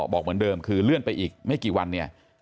บอกเหมือนเดิมคือเลื่อนไปอีกไม่กี่วันเนี่ย